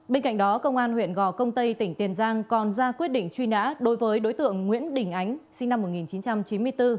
bên cạnh đó công an huyện gò công tây tỉnh tiền giang còn ra quyết định truy nã đối với đối tượng nguyễn đình ánh sinh năm một nghìn chín trăm chín mươi bốn